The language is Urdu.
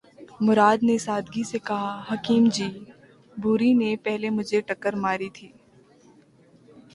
مراد نے سادگی سے کہا:”حکیم جی! بھوری نے پہلے مجھے ٹکر ماری تھی۔